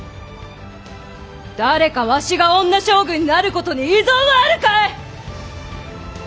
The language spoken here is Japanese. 誰かわしが女将軍になることに異存はあるかえ！